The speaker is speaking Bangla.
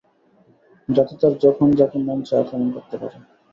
যাতে তার যখন যাকে মনে চায় আক্রমণ করতে পারে!